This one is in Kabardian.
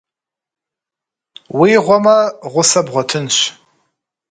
Уи гъуэмэ, гъусэ бгъуэтынщ.